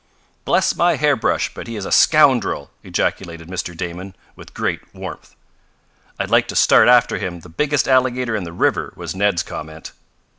"Bless my hairbrush, but he is a scoundrel!" ejaculated Mr. Damon, with great warmth. "I'd like to start after him the biggest alligator in the river," was Ned's comment.